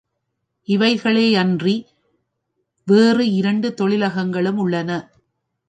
இவைகளேயன்றி வேறு இரண்டு தொழிலகங்களும் உள்ளன.